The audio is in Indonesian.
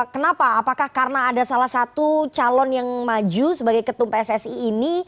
kenapa apakah karena ada salah satu calon yang maju sebagai ketum pssi ini